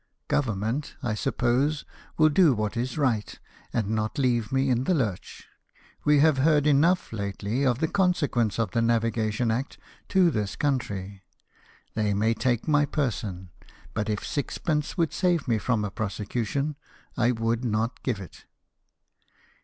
Govern ment, I suppose, will do what is right, and not leave me in the lurch. We have heard enough lately of the consequence of the Navigation Act to this country. They may take my person ; but if six pence would save me from a prosecution, I would not give it."